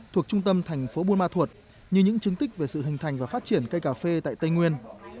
thuộc trung tâm thành phố buôn ma thuột như những chứng tích về sự hình thành và phát triển cây cà phê tại tây nguyên